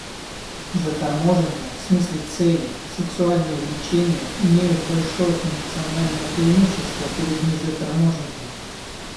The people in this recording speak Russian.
Заторможенные в смысле цели сексуальные влечения имеют большое функциональное преимущество перед незаторможенными.